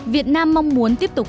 việt nam mong muốn tiếp tục